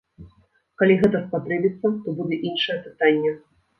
Калі гэта спатрэбіцца, то будзе іншае пытанне.